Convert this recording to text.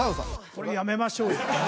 これやめましょうよ